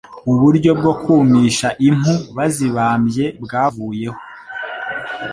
uburyo bwo kumisha impu bazibambye bwavuyeho,